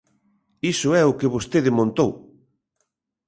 Iso é o que vostede montou.